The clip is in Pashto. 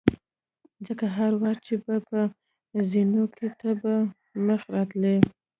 ځکه هر وار چې به په زینو کې ته په مخه راتلې.